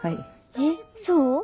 えっそう？